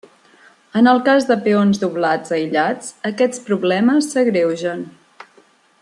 En el cas de peons doblats aïllats, aquests problemes s'agreugen.